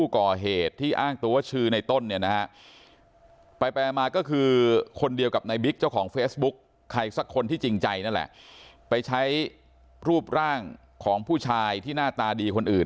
ใครสักคนที่จริงใจนั่นแหละไปใช้รูปร่างของผู้ชายที่หน้าตาดีคนอื่น